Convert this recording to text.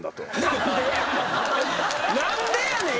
何でやねん。